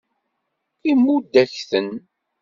Imudd-ak-ten.